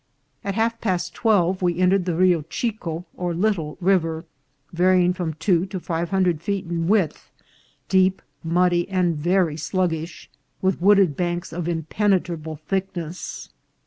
At half past twelve we entered the Rio Chico or Little River, varying from two to five hundred feet in width, deep, muddy, and very sluggish, with wooded banks of impen etrable thickness.